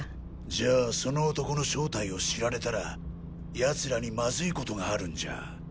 じゃあその男の正体を知られたら奴らにマズい事があるんじゃ。